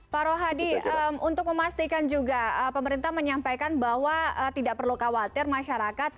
pak rohadi untuk memastikan juga pemerintah menyampaikan bahwa tidak perlu khawatir masyarakat